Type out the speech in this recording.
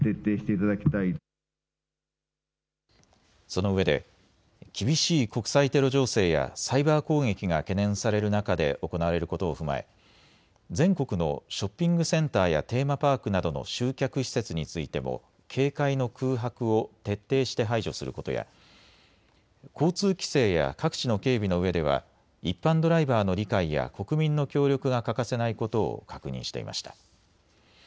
そのうえで厳しい国際テロ情勢やサイバー攻撃が懸念される中で行われることを踏まえ全国のショッピングセンターやテーマパークなどの集客施設についても警戒の空白を徹底して排除することや交通規制や各地の警備のうえでは一般ドライバーの理解や国民の協力が欠かせないことを確認していました。